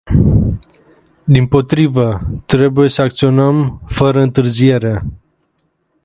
Dimpotrivă, trebuie să acționăm fără întârziere.